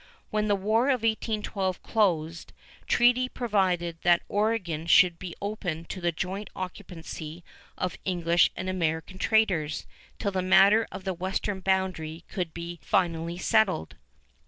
When the War of 1812 closed, treaty provided that Oregon should be open to the joint occupancy of English and American traders till the matter of the western boundary could be finally settled.